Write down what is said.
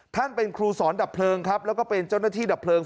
ท่านเป็นครูสอนดับเพลิงครับแล้วก็เป็นเจ้าหน้าที่ดับเพลิง